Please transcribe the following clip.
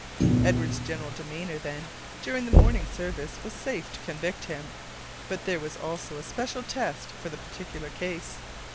Edward's general demeanour, then, during morning service, was safe to convict him; but there was also a special test for the particular case.